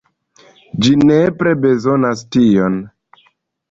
Ĝi nepre bezonas tion.